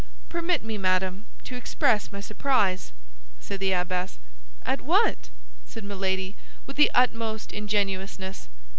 "Permit me, madame, to express my surprise," said the abbess. "At what?" said Milady, with the utmost ingenuousness.